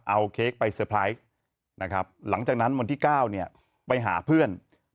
เอาเค้กไปนะครับหลังจากนั้นวันที่เก้าเนี่ยไปหาเพื่อนเพื่อน